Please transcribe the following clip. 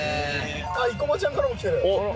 生駒ちゃんからも来てる。